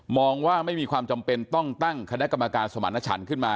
ว่าไม่มีความจำเป็นต้องตั้งคณะกรรมการสมรรถฉันขึ้นมา